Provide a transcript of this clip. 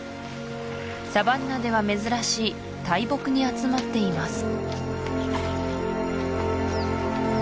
サバンナでは珍しい大木に集まっています